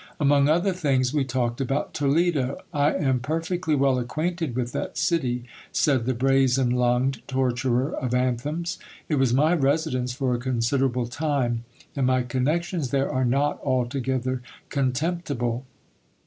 Among other things, we talked about Toledo. I am per fectly well acquainted with that city, said the brazen lunged torturer of anthems. It was my residence for a considerable time, and my connections there are not altogether contemptible.